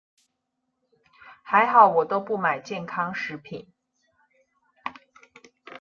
還好我都不買健康食品